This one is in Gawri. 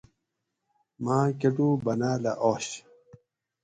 ماں کٹو بانالہ آش